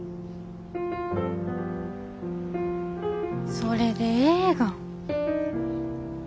それでええがん。